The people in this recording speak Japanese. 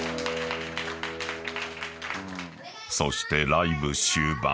［そしてライブ終盤